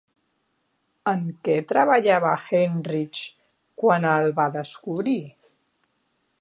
En què treballava Heinrich quan el va descobrir?